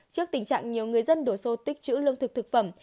trước tình trạng nhiều người dân đổ xô tích chữ lương thực thực phẩm